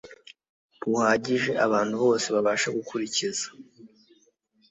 buhagije abantu bose babasha gukurikiza